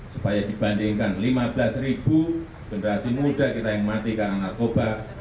supaya dibandingkan lima belas ribu generasi muda kita yang mati karena narkoba